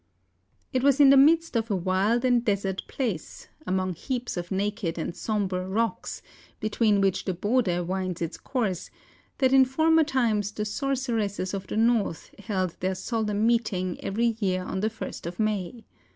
It was in the midst of a wild and desert place, among heaps of naked and sombre rocks, between which the Bode winds its course, that in former times the sorceresses of the north held their solemn meeting every year on the first of May.